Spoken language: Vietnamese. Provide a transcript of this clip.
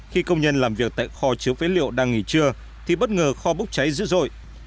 khi công nhân làm việc tại kho chứa phế liệu đang nghỉ trưa thì bất ngờ kho bốc cháy dữ dội